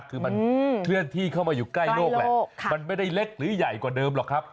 คือมันเคลื่อนที่เข้ามาอยู่ใกล้โลกแหละมันไม่ได้เล็กหรือใหญ่กว่าเดิมหรอกครับ